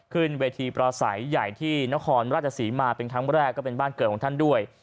ขึ้นเวทีประสัยใหญ่ที่นครราชศรีมาเป็นครั้งแรกก็เป็นบ้านเกิดของท่านด้วย